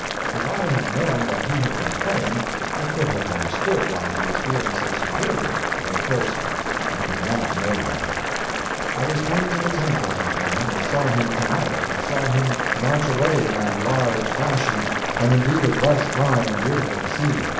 If I had know that he had been praying, I could have understood why he was feeling so superior, but of course I could not know that. I was coming to the tent at that moment, and saw him come out, and saw him march away in that large fashion, and indeed it was fine and beautiful to see.